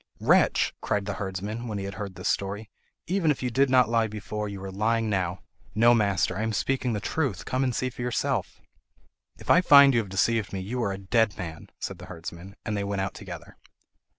"Wretch!" cried the herdsman, when he had heard this story, "even if you did not lie before, you are lying now." "No, master, I am speaking the truth. Come and see for yourself." "If I find you have deceived me, you are a dead man, said the herdsman; and they went out together.